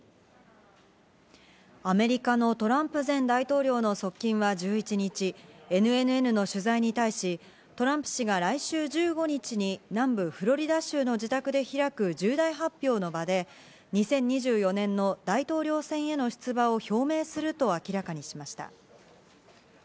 アメリカのトランプ前大統領の側近は１１日、ＮＮＮの取材に対し、トランプ氏が来週１５日に南部フロリダ州の自宅で開く重大発表の場で、２０２４年の大統領選への出馬を表明すると明らかにしました。